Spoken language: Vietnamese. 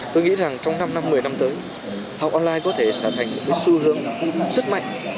tôi nghĩ rằng trong năm một mươi năm tới học online có thể xả thành một xu hướng rất mạnh